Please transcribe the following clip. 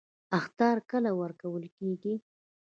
اخطار کله ورکول کیږي؟